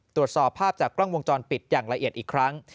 ตรวจสอบภาพจากกล้องวงจรปิดอย่างละเอียดอีกครั้ง